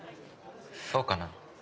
そうかな？